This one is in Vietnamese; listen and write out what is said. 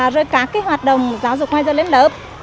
rồi các cái hoạt động giáo dục ngoài giờ lên lớp